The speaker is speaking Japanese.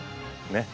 ねっ。